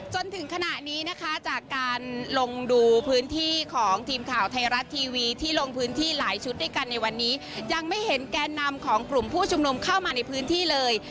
จนถึงขณะนี้นะคะจากการลงดูพื้นที่ของทีมข่าวไทยรัฐทีวีที่ลงพื้นที่หลายชุดด้วยกันในวันนี้ยังไม่เห็นแกนนำของกลุ่มผู้ชุมนุมเข้ามาในพื้นที่เลย